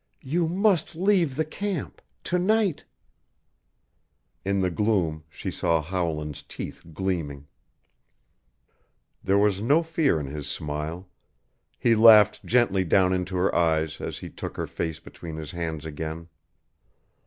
"You must leave the camp to night." In the gloom she saw Howland's teeth gleaming. There was no fear in his smile; he laughed gently down into her eyes as he took her face between his hands again.